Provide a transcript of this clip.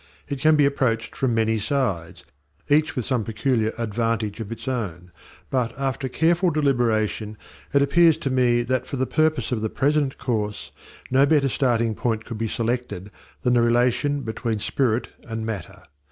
It can be approached from many sides, each with some peculiar advantage of its own; but, after careful deliberation, it appears to me that, for the purpose of the present course, no better starting point could be selected than the relation between Spirit and Matter.